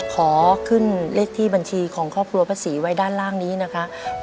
ขอขึ้นเลขที่บัญชีของครอบครัวพระศรีไว้ด้านล่างนี้นะครับ